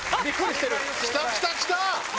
きたきたきた！